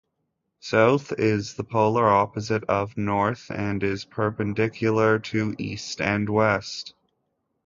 South is the polar opposite of north and is perpendicular to east and west.